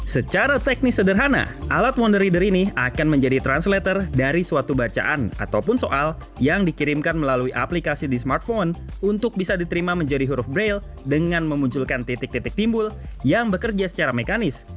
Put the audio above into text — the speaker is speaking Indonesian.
secara teknis sederhana alat wonder reader ini akan menjadi translator dari suatu bacaan ataupun soal yang dikirimkan melalui aplikasi di smartphone untuk bisa diterima menjadi huruf braille dengan memunculkan titik titik timbul yang bekerja secara mekanis